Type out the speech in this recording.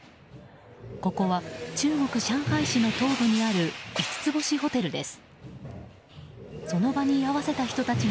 ここは中国・上海市の東部にある五つ星ホテルです。